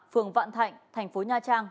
phường vạn thạnh thành phố nha trang